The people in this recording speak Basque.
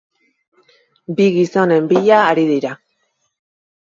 Bi gizonen bila ari dira.